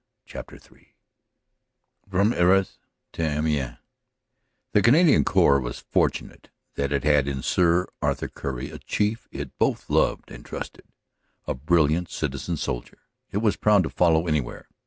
CHAPTER III FROM ARRAS TO AMIENS THE Canadian Corps was fortunate that it had in Sir Arthur Currie a chief it both loved and trusted, a bril liant citizen soldier it was proud to follow anywhere.